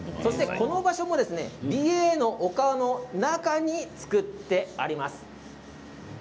この場所も美瑛の丘の中に作ってあります。